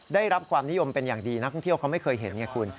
ได้รับความนิยมเป็นอย่างดีนักท่องเที่ยวเขาไม่เคยเห็นไงคุณ